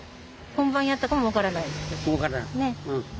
本番やったかも分からないって。